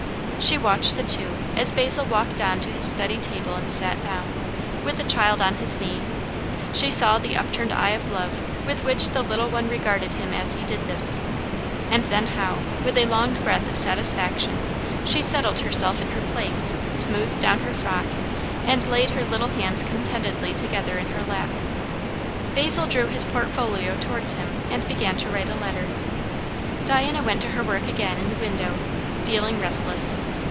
She watched the two, as Basil walked on to his study table and sat down, with the child on his knee; she saw the upturned eye of love with which the little one regarded him as he did this, and then how, with a long breath of satisfaction, she settled herself in her place, smoothed down her frock, and laid the little hands contentedly together in her lap. Basil drew his portfolio towards him and began to write a letter. Diana went to her work again in the window, feeling restless.